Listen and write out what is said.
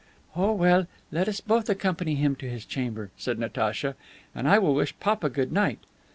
"Oh, well, let us both accompany him to his chamber," said Natacha, "and I will wish papa good night.